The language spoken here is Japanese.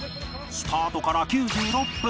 スタートから９６分